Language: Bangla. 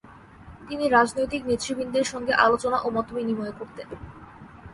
তিনি রাজনৈতিক নেতৃবৃন্দের সাথে আলোচনা ও মত বিনিময় করতেন।